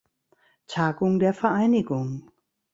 Tagung der Vereinigung.